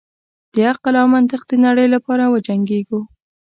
د عقل او منطق د نړۍ لپاره وجنګیږو.